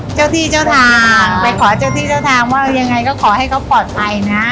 เจ้าที่เจ้าทางไปขอเจ้าที่เจ้าทางว่ายังไงก็ขอให้เขาปลอดภัยนะ